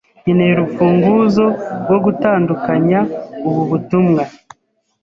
Nkeneye urufunguzo rwo gutandukanya ubu butumwa.